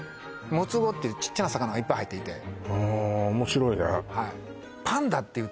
モツゴっていうちっちゃな魚がいっぱい入っていておもしろいね